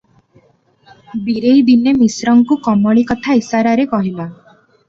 ବୀରେଇ ଦିନେ ମିଶ୍ରଙ୍କୁ କମଳୀ କଥା ଇଶାରାରେ କହିଲା ।